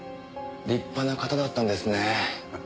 立派な方だったんですね。